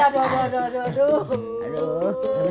aduh aduh aduh